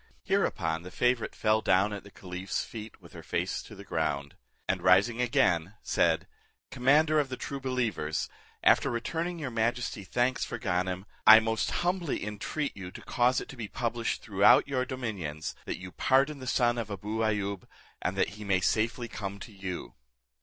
Hereupon the favourite fell down at the caliph's feet, with her face to the ground; and rising again, said, "Commander of the true believers, after returning your majesty thanks for Ganem, I most humbly entreat you to cause it to be published throughout your do minions, that you pardon the son of Abou Ayoub, and that he may safely come to you."